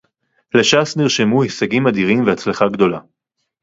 "לש"ס נרשמו הישגים אדירים והצלחה גדולה"